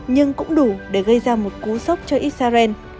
nhưng cũng đủ để gây ra một cú sốc cho israel